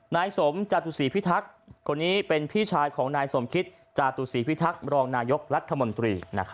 นายสมจตุศรีพิทักษ์คนนี้เป็นพี่ชายของนายสมคิตจาตุศีพิทักษ์รองนายกรัฐมนตรี